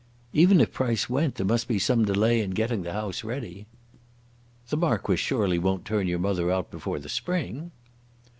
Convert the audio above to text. "Even if Price went, there must be some delay in getting the house ready." "The Marquis surely won't turn your mother out before the spring?"